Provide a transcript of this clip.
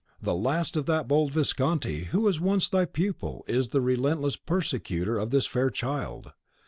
The last of that bold Visconti who was once thy pupil is the relentless persecutor of this fair child.